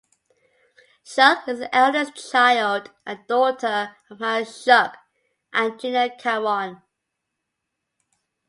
Schuck is the eldest child and daughter of Hans Schuck and Gina Carreon.